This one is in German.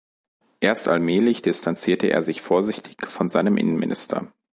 Erst allmählich distanzierte er sich vorsichtig von seinem Innenminister.